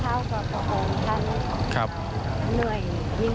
แต่วันนี้นานเนอะ๗ชั่วโมง